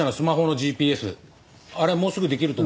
あれもうすぐできると。